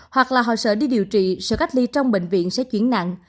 hoặc là họ sợ đi điều trị sở cách ly trong bệnh viện sẽ chuyển nặng